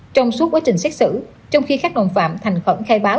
trong suốt quá trình xét xử trong khi các đồng phạm thành khẩn khai báo